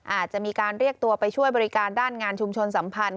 อาจจะมีการเรียกตัวไปช่วยบริการด้านงานชุมชนสัมพันธ์